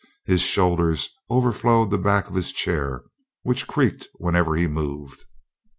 His shoulders over flowed the back of his chair, which creaked whenever he moved.